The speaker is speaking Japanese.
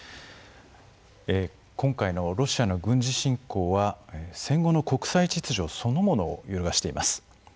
今回のロシアの軍事侵攻は戦後の国際秩序そのものを揺るがしています。